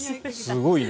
すごいな。